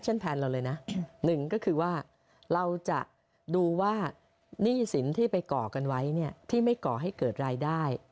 หรือว่านี่สินที่ไปก่อกันไว้ที่ไม่ก่อให้เกิดรายได้